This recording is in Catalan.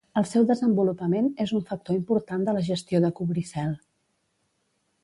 El seu desenvolupament és un factor important de la gestió de cobricel.